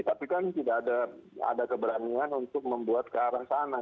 tapi kan tidak ada keberanian untuk membuat kearang sana